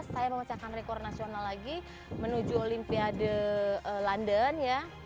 dua ribu dua belas saya memecahkan rekor nasional lagi menuju olimpiade london ya